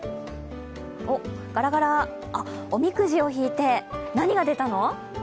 がらがらおみくじを引いて、何が出たの？